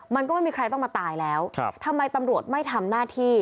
มันก็ไม่มีใครต้องมาตายแล้วทำไมตำรวจไม่ทำหน้าที่